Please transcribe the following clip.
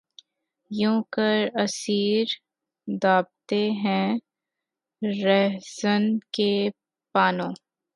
ہو کر اسیر‘ دابتے ہیں‘ راہزن کے پانو